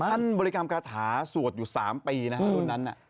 ท่านบริการการถาสวดอยู่๓ปีรุ่นนั้น